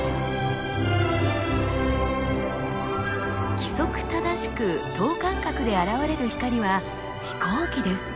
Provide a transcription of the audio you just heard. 規則正しく等間隔で現れる光は飛行機です。